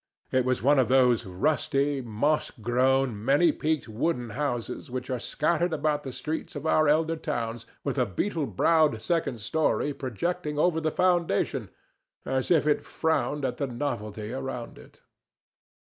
It was one of those rusty, moss grown, many peaked wooden houses which are scattered about the streets of our elder towns, with a beetle browed second story projecting over the foundation, as if it frowned at the novelty around it.